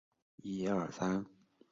朱谦不得不力战抵御。